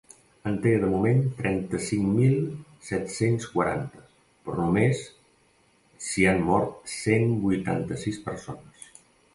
En té, de moment, trenta-cinc mil set-cents quaranta, però només s’hi han mort cent vuitanta-sis persones.